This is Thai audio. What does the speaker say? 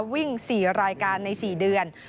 วิ่ง๔รายการใน๔เดือน